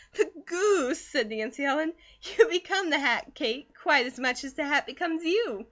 "The goose!" said Nancy Ellen. "You become that hat, Kate, quite as much as the hat becomes you."